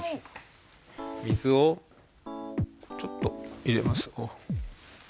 水をちょっと入れます。